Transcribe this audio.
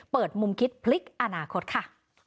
เปิดมุมคิดพลิกอนาคตค่ะ